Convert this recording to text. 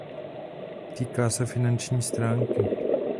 Týká se finanční stránky.